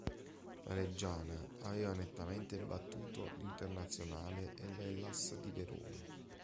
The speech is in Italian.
La Reggiana aveva nettamente battuto l’Internazionale e l’Hellas di Verona.